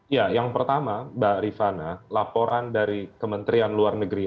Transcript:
ya yang pertama mbak rifana laporan dari kementerian luar negeri